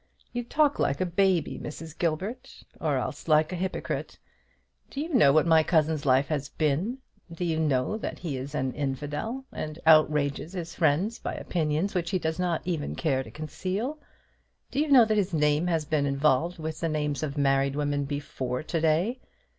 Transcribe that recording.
You talk like a baby, Mrs. Gilbert, or else like a hypocrite. Do you know what my cousin's life has been? Do you know that he is an infidel, and outrages his friends by opinions which he does not even care to conceal? Do you know that his name has been involved with the names of married women before to day?